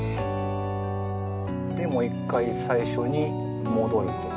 でもう一回最初に戻ると。